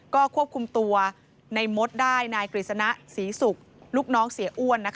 ก็ควบคุมตัวในมดได้นายกฤษณะศรีศุกร์ลูกน้องเสียอ้วน